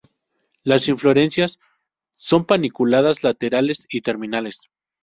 Las inflorescencias son paniculadas, laterales y terminales.